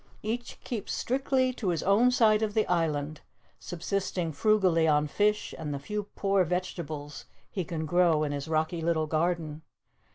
Each keeps strictly to his own side of the island, subsisting frugally on fish and the few poor vegetables he can grow in his rocky little garden.